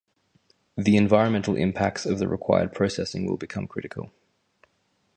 The environmental impacts of the required processing will become critical.